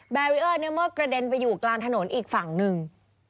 แบรีเออร์กระเด็นไปอยู่กลางถนนอีกฝั่งนึง